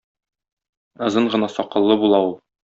Озын гына сакаллы була ул.